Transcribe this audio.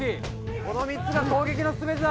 この３つが攻撃の全てだ！